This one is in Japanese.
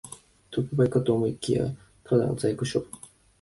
特売かと思いきや、ただの在庫処分